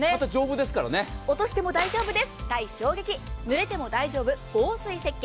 また、落としても大丈夫です、耐衝撃、ぬれても大丈夫、防水設計。